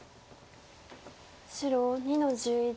白２の十一。